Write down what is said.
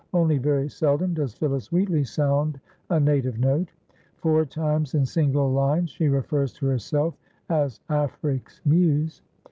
Only very seldom does Phillis Wheatley sound a native note. Four times in single lines she refers to herself as "Afric's muse."